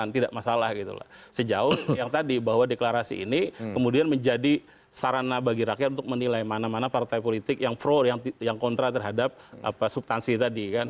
tidak masalah gitu loh sejauh yang tadi bahwa deklarasi ini kemudian menjadi sarana bagi rakyat untuk menilai mana mana partai politik yang pro yang kontra terhadap subtansi tadi kan